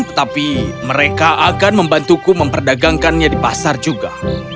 tetapi mereka akan membantuku memperdagangkannya di pasar juga